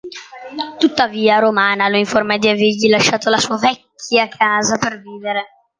Tuttavia Romana lo informa di avergli lasciato la sua vecchia casa per vivere.